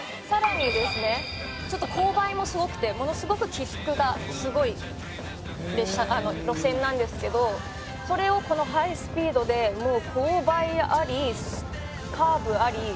「さらにですねちょっと勾配もすごくてものすごく起伏がすごい路線なんですけどそれをこのハイスピードでもう勾配ありカーブあり」